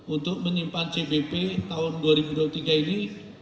untuk menyimpan cbp tahun dua ribu dua puluh tiga ini